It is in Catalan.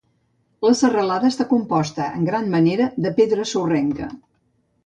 La serralada està composta en gran manera de pedra sorrenca.